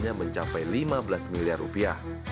hanya mencapai lima belas miliar rupiah